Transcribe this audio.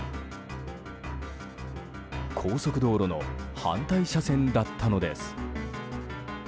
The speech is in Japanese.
高速道路の反対車線だったのです。